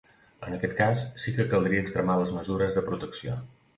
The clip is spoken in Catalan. En aquest cas, sí que caldria extremar les mesures de protecció.